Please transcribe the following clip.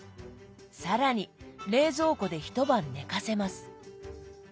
更に冷蔵庫で一晩寝かせます。